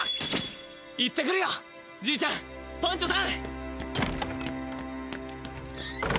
行ってくるよじいちゃんパンチョさん！